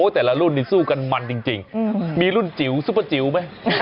แต่ละรุ่นนี่สู้กันมันจริงมีรุ่นจิ๋วซุปเปอร์จิ๋วไหม